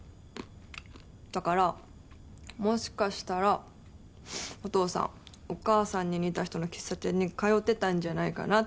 だからもしかしたらお父さんお母さんに似た人の喫茶店に通ってたんじゃないかなって。